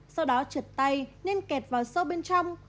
sau đó trượt tay nên kẹt vào sâu bên trong